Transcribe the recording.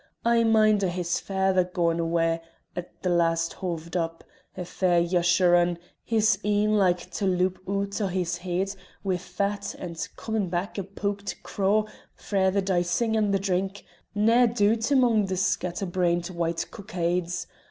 I mind o' his faither gaun awa at the last hoved up, a fair Jeshurun, his een like to loup oot o' his heid wi' fat, and comin' back a pooked craw frae the dicing and the drink, nae doot amoung the scatter brained white cockades.